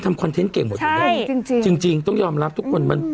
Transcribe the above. ถ้ายเก่งเนอะ